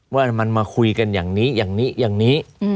ว่ามันมาคุยกันอย่างนี้อย่างนี้อย่างนี้